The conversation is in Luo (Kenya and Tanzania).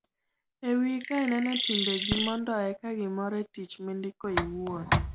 e wiyi ka ineno timbegi mondo eka gimori e tich mindiko iwuon